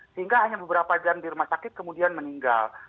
sehingga hanya beberapa jam di rumah sakit kemudian meninggal